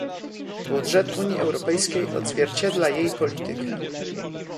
Budżet Unii Europejskiej odzwierciedla jej politykę